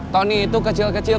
tony itu kecil kecil